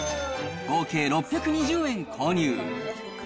合計６２０円購入。